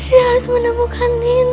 pasti harus menemukan nina